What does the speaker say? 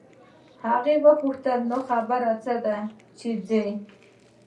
هغې وپوښتل نو خبره څه ده چې ځو.